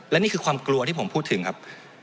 และนี่คือความกลัวที่ผมพูดถึงครับ